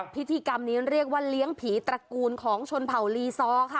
พิธีกรรมนี้เรียกว่าเลี้ยงผีตระกูลของชนเผ่าลีซอค่ะ